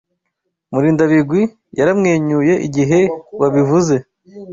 Murindabigwi yaramwenyuye igihe wabivuze.